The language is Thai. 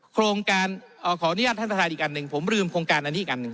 โครงการขออนุญาตท่านประธานอีกอันหนึ่งผมลืมโครงการอันนี้อีกอันหนึ่ง